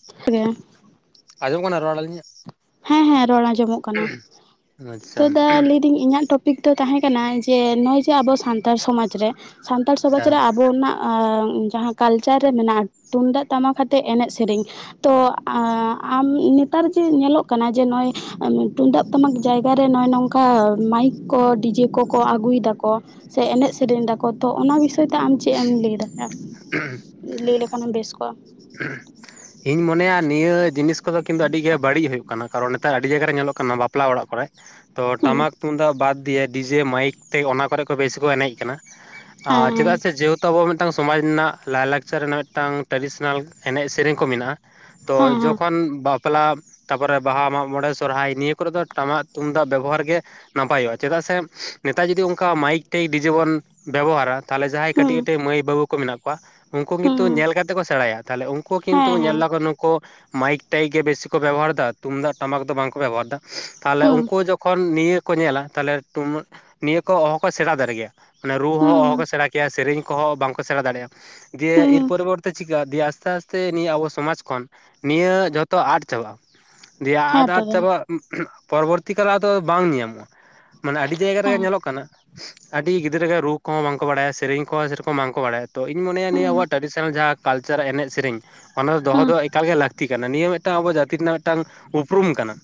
[unintelligible] ᱟᱸᱚᱢᱚᱜ ᱠᱟᱱᱟᱮ ᱨᱚᱲ ᱟᱹᱞᱤᱧᱟᱜ ᱦᱮᱸ ᱦᱮᱸ ᱨᱚᱲ ᱟᱸᱡᱚᱢᱚᱜ ᱠᱟᱱᱟ ᱛ ᱟᱪᱪᱷᱟ ᱫᱟ ᱞᱟᱹᱭᱫᱟᱹᱧ ᱤᱧᱟᱹᱜ ᱴᱚᱯ ᱴᱯᱤᱠ ᱫᱚ ᱛᱟᱦᱮᱸ ᱠᱟᱱᱟ ᱡᱮ ᱱᱚᱜ ᱚᱭ ᱡᱮ ᱟᱵᱚ ᱥᱟᱱᱛᱟᱲ ᱥᱚᱢᱟᱡᱽ ᱨᱮ ᱥᱟᱱᱛᱟᱲ ᱥᱚᱢᱟᱡᱽ ᱨᱮ ᱟᱵᱚ ᱱᱟᱜ ᱟᱨ ᱡᱟᱦᱟᱸ ᱠᱟᱞᱪᱟᱨ ᱨᱮ ᱢᱮᱱᱟᱜᱼᱟ ᱛᱩᱢᱫᱟᱜ ᱴᱟᱢᱟᱠ ᱟᱛᱮ ᱮᱱᱮᱡ ᱥᱮᱨᱮᱧ ᱛᱚ ᱟᱢ ᱱᱮᱛᱟᱨ ᱡᱮ ᱧᱮᱞᱚᱜ ᱠᱟᱱᱟ ᱡᱮ ᱱᱚᱜᱼᱚᱭ ᱛᱩᱢᱫᱟᱜ ᱴᱟᱢᱟᱠ ᱡᱟᱭᱜᱟ ᱨᱮ ᱱᱚᱜᱼᱚᱭ ᱱᱚᱝᱠᱟ ᱢᱟᱭᱤᱠ ᱠᱚ ᱰᱤᱡᱮ ᱠᱚᱠᱚ ᱟᱹᱜᱩᱭ ᱫᱟᱠᱚ ᱥᱮ ᱮᱱᱮᱡ ᱥᱮᱨᱮᱧ ᱫᱟᱠᱚ ᱛᱚ ᱚᱱᱟ ᱵᱤᱥᱚᱭ ᱛᱮ ᱟᱢ ᱪᱮᱫ ᱮᱢ ᱞᱟᱹᱭ ᱫᱟᱲᱮᱭᱟᱜᱼᱟ ᱦᱮᱸ ᱞᱟᱹᱭ ᱞᱮᱠᱷᱟᱱᱮᱢ ᱵᱮᱥ ᱠᱚᱜᱼᱟ [inaudible] ᱤᱧ ᱢᱚᱱᱮᱭᱟ ᱱᱤᱭᱟᱹ ᱡᱤᱱᱤᱥ ᱠᱚ ᱫᱚ ᱠᱤᱱᱛᱩ ᱟᱹᱰᱤ ᱜᱮ ᱵᱟᱹᱲᱤᱡ ᱦᱩᱭᱩᱜ ᱠᱟᱱᱟ ᱠᱟᱨᱚᱱ ᱱᱮᱛᱟᱨ ᱟᱹᱰᱤ ᱡᱟᱭᱜᱟ ᱨᱮ ᱧᱮᱞᱚᱜ ᱠᱟᱱᱟ ᱵᱟᱯᱞᱟ ᱚᱲᱟᱜ ᱠᱚᱨᱮ ᱛᱚ ᱦᱮᱸ ᱴᱟᱢᱟᱠ ᱛᱩᱢᱫᱟᱜ ᱵᱟᱫ ᱫᱤᱭᱮ ᱰᱤᱡᱮ ᱢᱟᱭᱤᱠ ᱛᱮ ᱚᱱᱟ ᱠᱚᱨᱮ ᱠᱚ ᱵᱮᱥᱤ ᱠᱚ ᱮᱱᱮᱡ ᱠᱟᱱᱟ ᱟ ᱦᱮᱸ ᱪᱮᱫᱟᱜ ᱥᱮ ᱡᱮᱦᱮᱛᱩ ᱟᱵᱚᱣᱟᱜ ᱢᱤᱫᱴᱟᱝ ᱥᱚᱢᱟᱡᱽ ᱨᱮᱱᱟᱜ ᱞᱟᱭᱼᱞᱟᱠᱪᱟᱨ ᱨᱮᱱᱟᱜ ᱢᱤᱫᱴᱟᱝ ᱴᱤᱥᱼ [unintelligible] ᱮᱱᱮᱡ ᱥᱮᱨᱮᱧ ᱠᱚ ᱢᱮᱱᱟᱜᱼᱟ ᱦᱮᱸ ᱛᱚ ᱦᱮᱸ ᱡᱚᱠᱷᱚᱱ ᱵᱟᱯᱞᱟ ᱛᱟᱨᱯᱚᱨᱮ ᱵᱟᱦᱟ ᱢᱟᱜ ᱢᱚᱬᱮ ᱥᱚᱨᱦᱟᱭ ᱱᱤᱭᱟᱹ ᱠᱚᱨᱮ ᱫᱚ ᱴᱟᱢᱟᱠ ᱛᱩᱢᱫᱟᱜ ᱵᱮᱵᱚᱦᱟᱨ ᱜᱮ ᱱᱟᱯᱟᱭᱚᱜᱼᱟ ᱪᱮᱫᱟᱜ ᱥᱮ ᱱᱮᱛᱟᱨ ᱡᱩᱚᱫᱤ ᱚᱱᱠᱟ ᱢᱟᱭᱤᱠ ᱴᱟᱤᱠ ᱵᱤᱡᱮ ᱵᱚᱱ ᱵᱮᱵᱚᱦᱟᱨ-ᱟ ᱛᱟᱦᱚᱞᱮ ᱡᱟᱦᱟᱸᱭ ᱦᱮᱸ ᱠᱟᱹᱴᱤᱡ ᱠᱟᱹᱴᱤᱡ ᱢᱟᱹᱭ ᱵᱟᱹᱵᱩ ᱠᱚ ᱢᱮᱱᱟᱜ ᱠᱚᱣᱟ ᱩᱱᱠᱩ ᱦᱮᱸ ᱠᱤᱱᱛᱩ ᱧᱮᱞ ᱠᱟᱛᱮ ᱠᱚ ᱥᱮᱬᱟᱭᱟ ᱛᱟᱦᱚᱞᱮ ᱩᱱᱠᱩ ᱱᱩᱠᱩ ᱠᱤᱱᱛᱩ ᱦᱮᱸ ᱦᱮᱸ ᱧᱮᱞᱫᱟᱠᱚ ᱱᱩᱠᱩ ᱢᱟᱭᱤᱠ ᱴᱟᱭᱤᱠ ᱜᱮ ᱵᱤᱥᱤ ᱠᱚ ᱵᱮᱵᱚᱦᱟᱨ ᱮᱫᱟ ᱛᱩᱢᱫᱟᱜ ᱴᱟᱢᱟᱠ ᱫᱚ ᱵᱟᱝ ᱠᱚ ᱵᱮᱵᱚᱦᱟᱨ ᱮᱫᱟ ᱛᱟᱞᱦᱮ ᱦᱮᱸ ᱩᱱᱠᱩ ᱡᱚᱠᱷᱚᱱ ᱱᱤᱭᱟᱹ ᱠᱚ ᱧᱮᱞᱟ ᱛᱟᱞᱦᱮ ᱱᱤᱭᱟᱹ ᱠᱚ ᱚᱦᱚ ᱠᱚ ᱥᱮᱬᱟ ᱫᱟᱲᱮᱜ ᱜᱮᱭᱟ ᱢᱟᱱᱮ ᱨᱩ ᱦᱚᱸ ᱚᱦᱚ ᱦᱩᱸ ᱠᱚ ᱥᱮᱬᱟ ᱠᱮᱭᱟ ᱥᱮᱨᱮᱧ ᱠᱚᱦᱚᱸ ᱵᱟᱝᱠᱚ ᱥᱮᱬᱟ ᱫᱟᱲᱮᱭᱟᱜᱼᱟ ᱡᱮ ᱮᱤᱨ ᱦᱩᱸ ᱯᱚᱨᱤ ᱵᱚᱨᱛᱤ ᱪᱤᱠᱟ ᱫᱤᱭᱮ ᱟᱥᱛᱮ ᱟᱥᱛᱮ ᱱᱤᱭᱟᱹ ᱟᱵᱚ ᱥᱚᱢᱟᱡ ᱠᱷᱚᱱ ᱱᱤᱭᱟᱹ ᱡᱷᱚᱛᱚ ᱟᱫ ᱪᱟᱵᱟᱜᱼᱟ ᱫᱤᱭᱮ ᱦᱮᱸ ᱟᱫ ᱟᱫ ᱛᱚᱵᱮ ᱪᱟᱵᱟᱜ ᱯᱚᱨᱚᱵᱚᱨᱛᱤ ᱠᱟᱞ ᱫᱚ ᱵᱟᱝ ᱧᱮᱞ ᱧᱟᱢᱚᱜᱼᱟ ᱢᱟᱱᱮ ᱟᱹᱰᱤ ᱡᱟᱭᱜᱟ ᱨᱮ ᱜᱮ ᱦᱮᱸ ᱧᱮᱞᱚᱜ ᱠᱟᱱᱟ ᱟᱹᱰᱤ ᱜᱤᱫᱽᱨᱟᱹ ᱜᱮ ᱨᱩᱟᱹ ᱠᱚᱦᱚᱸ ᱵᱟᱝ ᱠᱚ ᱵᱟᱲᱟᱭᱟ ᱥᱮᱨᱮᱧ ᱠᱚᱦᱸ ᱥᱮᱨᱚᱠᱚᱢ ᱵᱟᱝ ᱠᱚ ᱵᱟᱲᱟᱭᱟ ᱛᱚ ᱤᱧ ᱢᱚᱱᱮᱭᱟ ᱱᱤᱭᱟᱹ ᱦᱩᱸ ᱟᱵᱚᱣᱟᱜ ᱴᱨᱟᱰᱤᱥᱚᱱᱟᱞ ᱡᱟᱦᱟᱸ ᱠᱟᱞᱪᱟᱨ ᱮᱱᱮᱡ ᱥᱮᱨᱮᱧ ᱚᱱᱟ ᱫᱚᱦᱚ ᱦᱩᱸ ᱫᱚ ᱮᱠᱟᱞ ᱜᱮ ᱞᱟᱹᱠᱛᱤ ᱠᱟᱱᱟ ᱱᱤᱭᱟᱹ ᱢᱤᱫ ᱴᱟᱝ ᱟᱵᱚ ᱡᱟᱹᱛᱤ ᱨᱮᱱᱟᱜ ᱢᱤᱫᱴᱟᱝ ᱩᱯᱨᱩᱢ ᱠᱟᱱᱟ